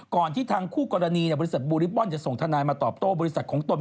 ที่ทางคู่กรณีบริษัทบูริบอลจะส่งทนายมาตอบโต้บริษัทของตน